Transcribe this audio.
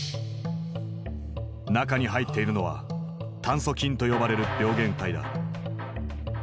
中に入っているのは炭疽菌と呼ばれる病原体だ。